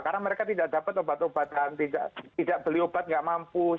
karena mereka tidak dapat obat obatan tidak beli obat nggak mampu